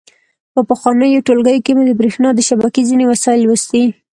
په پخوانیو ټولګیو کې مو د برېښنا د شبکې ځینې وسایل لوستي.